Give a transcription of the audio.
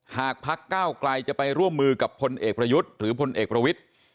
พักก้าวไกลจะไปร่วมมือกับพลเอกประยุทธ์หรือพลเอกประวิทธิ์